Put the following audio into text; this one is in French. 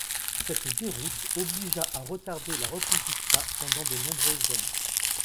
Cette déroute obligea à retarder la Reconquista pendant de nombreuses années.